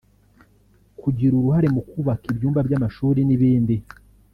kugira uruhare mu kubaka ibyumba by’amashuri n’ibindi